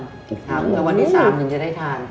แต่วันที่๓ถึงจะได้ทาน